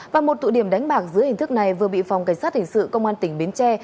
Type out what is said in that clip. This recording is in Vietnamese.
và một tụ điểm đánh bạc dưới hình thức này vừa bị phòng cảnh sát hình sự công an tỉnh bến tre